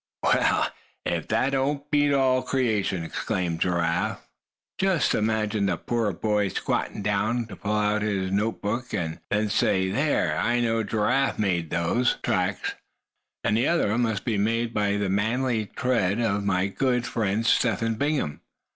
"Well, if that don't beat all creation!" exclaimed Giraffe. "Just imagine the poor boy squattin' down, to pull out his note book, and then say: 'There, I know Giraffe made those tracks; and that other must be the manly tread of my good friend, Step Hen Bingham!'